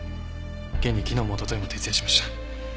現に昨日も一昨日も徹夜しました。